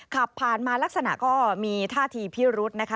ขับผ่านมาลักษณะก็มีท่าทีพิรุธนะคะ